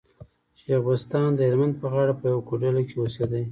شېخ بستان د هلمند په غاړه په يوه کوډله کي اوسېدئ.